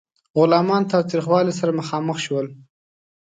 غلامان تاوتریخوالي سره مخامخ شول.